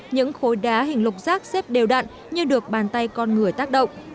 những khối đá hình lục rác xếp đều đặn như được bàn tay con người tác động